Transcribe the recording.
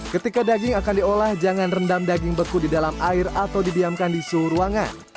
ketika daging akan diolah jangan rendam daging beku di dalam air atau didiamkan di suhu ruangan